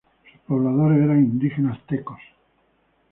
Sus pobladores eran indígenas tecos.